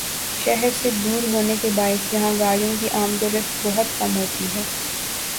شہر سے دور ہونے کے باعث یہاں گاڑیوں کی آمدورفت بہت کم ہوتی ہے ۔